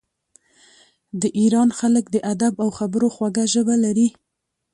د ایران خلک د ادب او خبرو خوږه ژبه لري.